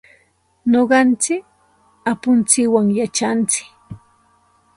Nuqanchik apuntsikwan yachantsik.